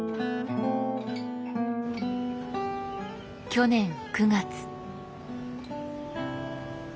去年９月。